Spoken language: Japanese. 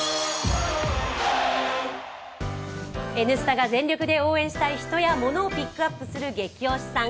「Ｎスタ」が全力で応援したい人やものをピックアップするゲキ推しさん。